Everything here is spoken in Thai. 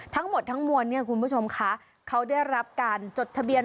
ทั้งหมดทั้งมวลเนี่ยคุณผู้ชมคะเขาได้รับการจดทะเบียน